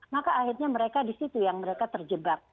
maka akhirnya mereka di situ yang mereka terjebak